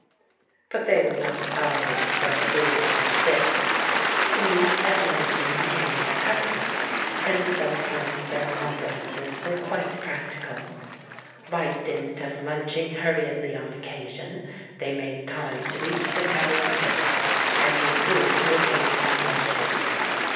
But they were not always so foolish as this. To meet at luncheon became their custom, and sometimes their confidences were quite practical. By dint of lunching hurriedly on occasion, they made time to reach the Tower together, and he approved her taste in benches.